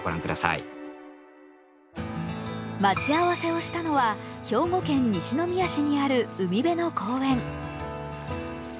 待ち合わせをしたのは兵庫県西宮市にある海辺の公園。